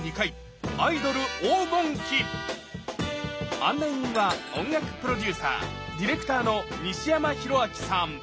案内人は音楽プロデューサーディレクターの西山宏明さん。